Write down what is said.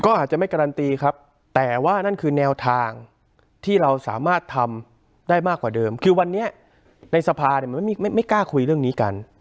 ก็อาจจะไม่การันตีครับแต่ว่านั่นคือแนวทางที่เราสามารถทำได้มากกว่าเดิมคือวันนี้ในสภาเนี่ยมันไม่กล้าคุยเรื่องนี้กัน